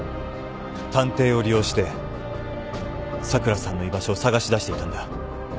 探偵を利用して咲良さんの居場所を捜し出していたんだ。